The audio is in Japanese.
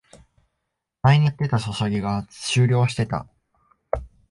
前にやってたソシャゲが終了してた